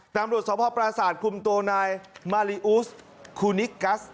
ตำรวจสภปราศาสตร์คุมตัวนายมาริอุสคูนิกกัส